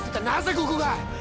なぜここが！